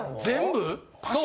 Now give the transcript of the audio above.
全部？